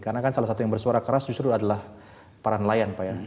karena kan salah satu yang bersuara keras justru adalah para nelayan pak ya